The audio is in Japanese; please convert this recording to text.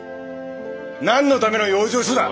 何のための養生所だ！